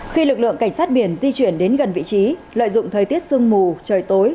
khi lực lượng cảnh sát biển di chuyển đến gần vị trí lợi dụng thời tiết sương mù trời tối